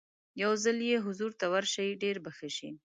یو ځل یې حضور ته ورشئ ډېر به ښه شي.